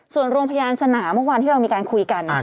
ส่วนโรงพยาบาลสนามเมื่อวานที่เรามีการคุยกัน